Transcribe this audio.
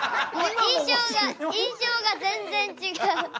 印象が全然違う。